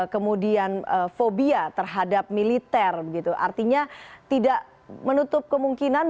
kemudian fobia terhadap militer artinya tidak menutup kemungkinan